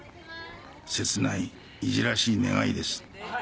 せつないいじらしい願いです。